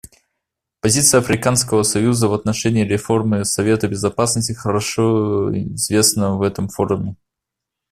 Позиция Африканского союза в отношении реформы Совета Безопасности хорошо известна в этом форуме.